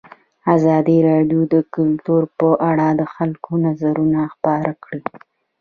ازادي راډیو د کلتور په اړه د خلکو نظرونه خپاره کړي.